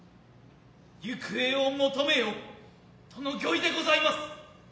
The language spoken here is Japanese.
行方を求めよとの御意でございます。